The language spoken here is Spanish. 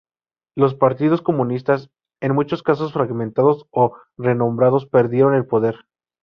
Los partidos comunistas, en muchos casos fragmentados o renombrados, perdieron el poder.